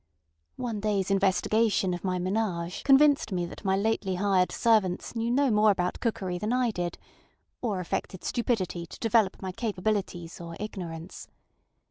One dayŌĆÖs investigation of my m├®nage convinced me that my lately hired servants knew no more about cookery than I did, or affected stupidity to develop my capabilities or ignorance.